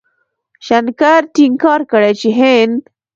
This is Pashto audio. شنکر ټينګار کړی چې هند